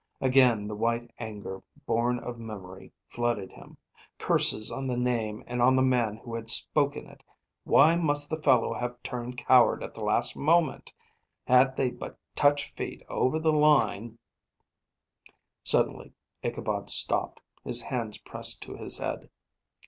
Again the white anger born of memory, flooded him. Curses on the name and on the man who had spoken it! Why must the fellow have turned coward at the last moment? Had they but touched feet over the line Suddenly Ichabod stopped, his hands pressed to his head.